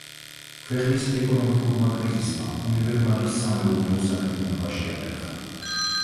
ქვეყნის ეკონომიკურმა კრიზისმა უნივერმაღის სამეურნეო საქმიანობა შეაფერხა.